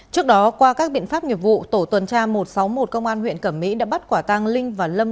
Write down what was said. trước đó qua các biện pháp nghiệp vụ tổ tuần tra một trăm sáu mươi một công an huyện cẩm mỹ đã bắt quả tàng linh và lâm